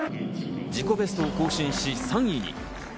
自己ベストを更新し、３位に。